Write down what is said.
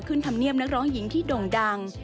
ขึ้นทำเนียมนักร้องหญิงที่ด่งดัง